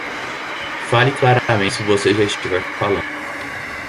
Fale claramente se você já estiver falando.